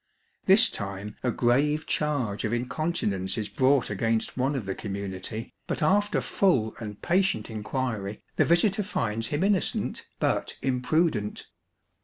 This time a grave charge of incontinence is brought against one of the community, but after full and patient [ 288 ] TORRE ABBEY inquiry the visitor finds him innocent, but imprudent.